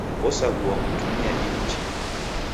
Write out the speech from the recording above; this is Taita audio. Osaghua kutumia ihi chia.